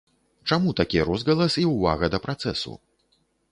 Чаму такі розгалас і ўвага да працэсу?